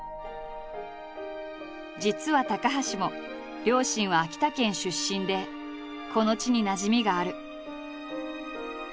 実は高橋も両親は秋田県出身でこの地になじみがある。